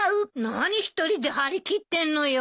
何一人で張り切ってんのよ。